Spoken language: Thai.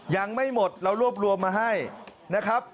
ยังไม่หมดเรารวบรวมมาให้นะครับ